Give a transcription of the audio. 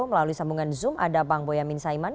melalui sambungan zoom ada bang boyamin saiman